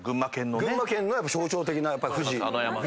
群馬県の象徴的な富士山。